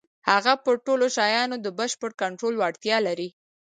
هغه پر ټولو شيانو د بشپړ کنټرول وړتيا لري.